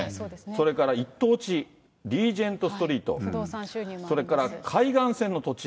それから一等地、リージェントストリート、それから海岸線の土地。